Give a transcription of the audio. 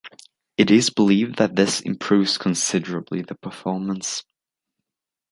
Is believed that this improves considerably the performance.